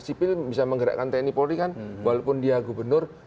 sipil bisa menggerakkan tni polri kan walaupun dia gubernur